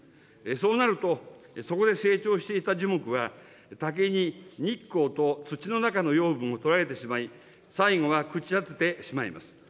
そうなると、そこで成長していた樹木は、竹に日光と土の中の養分を取られてしまい、最後は朽ち果ててしまいます。